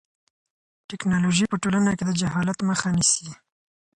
ټیکنالوژي په ټولنه کې د جهالت مخه نیسي.